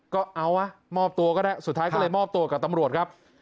ก็เอาวะมอบตัวก็ได้สุดท้ายก็เลยมอบตัวกับตำรวจครับ